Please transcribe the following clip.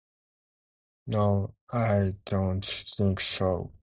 No, I don't think so.